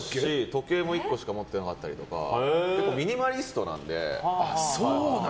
時計も１個しか持ってなかったりとかミニマリストなので。